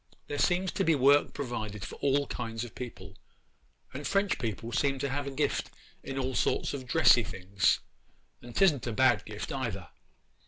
There seems to be work provided for all kinds of people, and French people seem to have a gift in all sorts of dressy things, and 'tisn't a bad gift either.